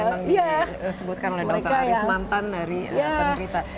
tadi memang disebutkan oleh dokter aris mantan dari penerita